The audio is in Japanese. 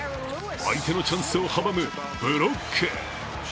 相手のチャンスを阻むブロック。